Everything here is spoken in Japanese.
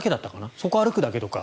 そこを歩くだけとか。